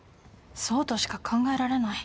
そうとしか考えられない。